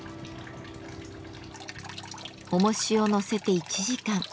おもしを載せて１時間。